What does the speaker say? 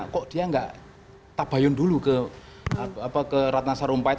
kok dia nggak tabayun dulu ke ratna sarumpait